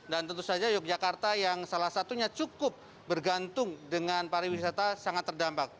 dan tentu saja yogyakarta yang salah satunya cukup bergantung dengan pariwisata sangat terdampak